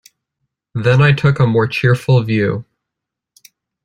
Then I took a more cheerful view.